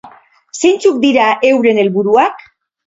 Zeintzuk dira euren helburuak?